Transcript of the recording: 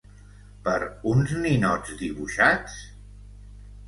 ¿Per uns ninots dibuixats?